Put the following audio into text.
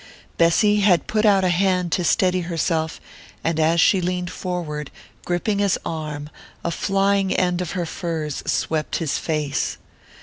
Bessy had put out a hand to steady herself, and as she leaned forward, gripping his arm, a flying end of her furs swept his face.